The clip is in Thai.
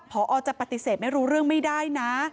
พอจะปฏิเสธไม่รู้เรื่องไม่ได้นะ